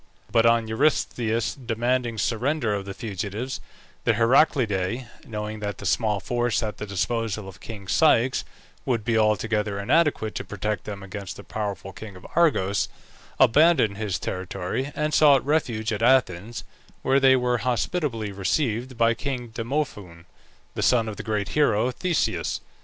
But on Eurystheus demanding the surrender of the fugitives, the Heraclidae, knowing that the small force at the disposal of king Ceyx would be altogether inadequate to protect them against the powerful king of Argos, abandoned his territory, and sought refuge at Athens, where they were hospitably received by king Demophoon, the son of the great hero Theseus.